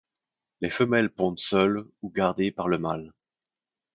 Les femelles pondent seules ou gardées par le mâle.